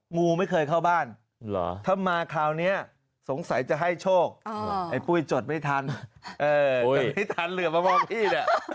งูไม่เคยเข้าบ้านถ้ามาคราวนี้สงสัยจะให้โชคไอ้ปุ้ยจดไม่ทันจดไม่ทันเหลือมามองพี่แหละ